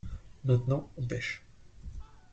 Maintenant on pêche.